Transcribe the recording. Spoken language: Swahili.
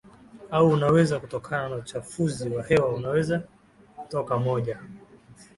au unaweza kutokana naUchafuzi wa hewa unaweza kutoka moja